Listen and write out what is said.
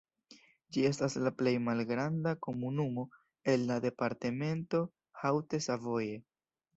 Ĝi estas la plej malgranda komunumo el la departemento Haute-Savoie.